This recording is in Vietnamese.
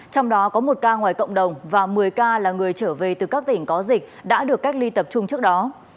trong đó có một ca ngoài cộng đồng và một mươi ca là người trở về từ các tỉnh có dịch đã được cách ly tập trung trước đó